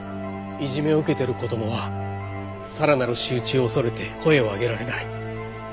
いじめを受けてる子供はさらなる仕打ちを恐れて声を上げられない。